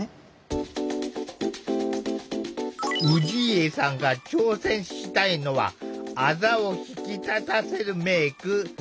氏家さんが挑戦したいのはあざを引き立たせるメーク。